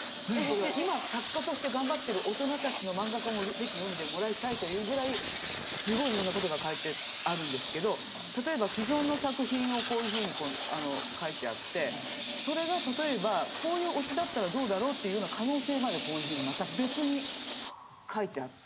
今作家として頑張ってる大人たちのマンガ家も是非読んでもらいたいというぐらいすごいいろんな事が描いてあるんですけど例えば既存の作品をこういうふうに描いてあってそれが例えばこういうオチだったらどうだろうというような可能性までこういうふうにまた別に描いてあって。